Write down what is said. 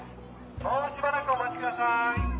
もうしばらくお待ちください。